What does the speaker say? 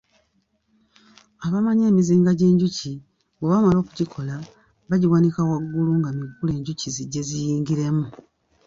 Abamanyi emizinga gy’enjuki bwe bamala okugikola bagiwanika waggulu nga miggule enjuki zijje ziyingiremu.